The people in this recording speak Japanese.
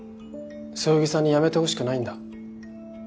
そよぎさんに辞めてほしくないんだ。